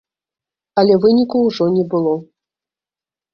Але выніку ўжо не было.